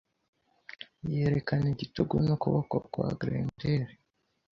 yerekana igitugu nukuboko kwa Grendel